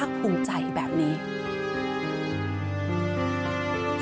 คุณผู้ชมค่ะคุณผู้ชมค่ะ